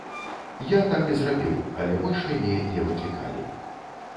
Я так і зрабіў, але больш мяне не выклікалі.